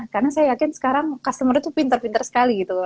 karena saya yakin sekarang customer itu pinter pinter sekali gitu